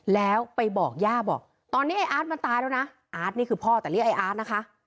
แล้วไปบอกย่าบอกตอนนี้ไอ้อาร์ตมันตายแล้วนะอาร์ตนี่คือพ่อแต่เรียกไอ้อาร์ตนะคะ